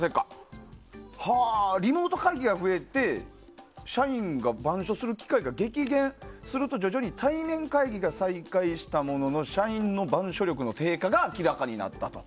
リモート会議が増えて社員が板書する機会が激減すると徐々に対面会議が再開したものの社員の板書力の低下が明らかになったと。